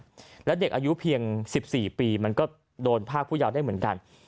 แล้วเด็กอายุเพียง๑๔ปีมันก็โดนภาคผู้ยาวได้เหมือนกัน